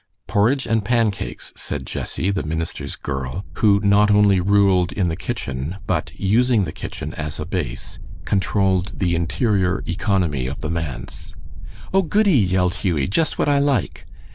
"Porridge and pancakes," said Jessie, the minister's "girl," who not only ruled in the kitchen, but using the kitchen as a base, controlled the interior economy of the manse. "Oh, goody!" yelled Hughie; "just what I like."